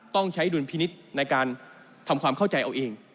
ต้องใช้ดุลพินิษฐ์ในการทำความเข้าใจเอาเอง